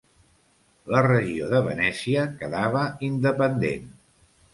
La regió de Venècia quedava independent.